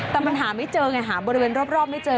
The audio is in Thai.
แต่มันหาไม่เจอไงหาบริเวณรอบไม่เจอ